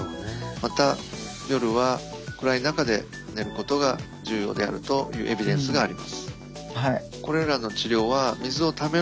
また夜は暗い中で寝ることが重要であるというエビデンスがあります。